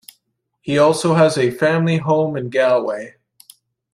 He also has a family home in Galway.